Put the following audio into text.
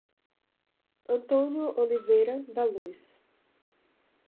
Antônio Oliveira da Luz